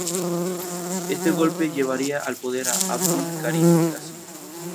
Éste golpe llevaría al poder a Abdul Karim Qasim.